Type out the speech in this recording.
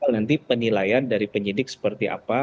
nanti penilaian dari penyidik seperti apa